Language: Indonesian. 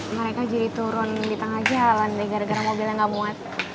mereka jadi turun di tengah jalan deh gara gara mobilnya nggak muat